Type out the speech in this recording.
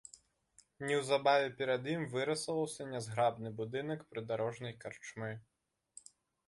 Неўзабаве перад ім вырысаваўся нязграбны будынак прыдарожнай карчмы.